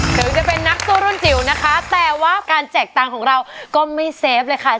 ถึงจะเป็นนักสู้รุ่นจิ๋วนะคะแต่ว่าการแจกตังค์ของเราก็ไม่เซฟเลยค่ะ